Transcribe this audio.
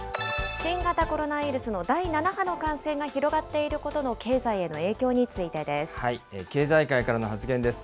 新型コロナウイルスの第７波の感染が広がっていることの経済への経済界からの発言です。